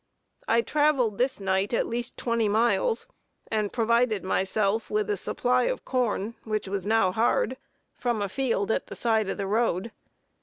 I traveled this night at least twenty miles, and provided myself with a supply of corn, which was now hard, from a field at the side of the road.